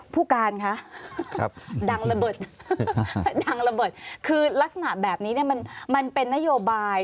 ผู้การคะดังระเบิดคือลักษณะแบบนี้มันเป็นนโยบาย